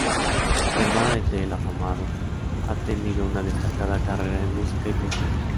Su hermana Ethel Afamado ha tenido una destacada carrera en música y poesía.